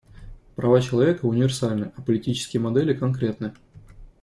Права человека универсальны, а политические модели конкретны.